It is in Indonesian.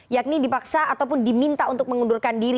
yakni dipaksa ataupun diminta untuk mengundurkan diri